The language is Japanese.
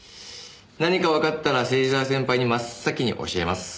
何かわかったら芹沢先輩に真っ先に教えます。